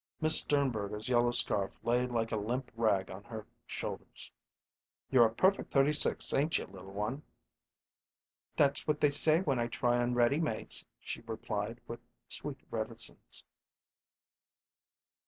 Miss Sternberger's yellow scarf lay like a limp rag on her shoulders. "You're a perfect thirty six, ain't you, little one?" "That's what they say when I try on ready mades," she replied, with sweet reticence.